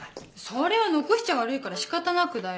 それは残しちゃ悪いから仕方なくだよ。